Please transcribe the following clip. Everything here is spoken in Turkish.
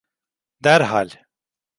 Derhal!